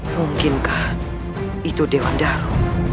mungkinkah itu dewan daru